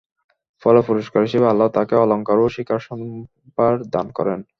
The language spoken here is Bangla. ফলে পুরস্কার হিসেবে আল্লাহ তাকে অলংকার ও শিকার সম্ভার দান করেন।